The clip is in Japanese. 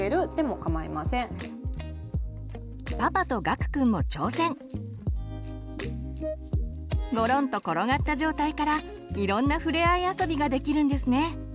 ごろんと転がった状態からいろんなふれあい遊びができるんですね。